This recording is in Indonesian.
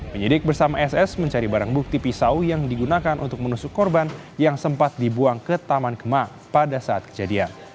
penyidik bersama ss mencari barang bukti pisau yang digunakan untuk menusuk korban yang sempat dibuang ke taman kemang pada saat kejadian